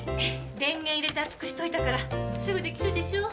電源入れて熱くしといたからすぐ出来るでしょ？